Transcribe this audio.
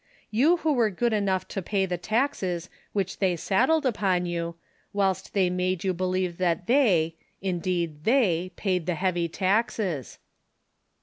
] You who were good enough to pay the taxes which tliey saddled upon you, whilst they made you believe that they, indeed they (V), paid the heavy taxes.